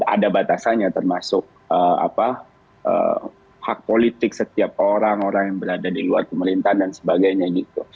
ada batasannya termasuk hak politik setiap orang orang yang berada di luar pemerintahan dan sebagainya gitu